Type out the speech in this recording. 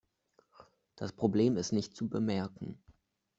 Das Problem ist nicht zu bemerken.